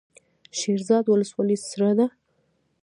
شیرزاد ولسوالۍ سړه ده؟